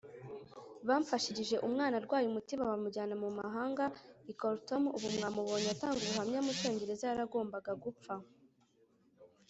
Bamfashirije umwana arwaye umutima bamujyana mu mahanga i Kharthoum ubu mwamubonye atanga ubuhamya mu Cyongereza yaragombaga gupfa